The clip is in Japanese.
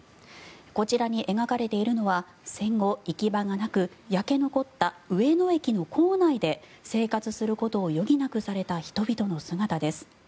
こちらに描かれているのは戦後、行き場がなく焼け残った上野駅の構内で生活することを余儀なくされた人々の姿です。